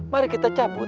mari kita cabut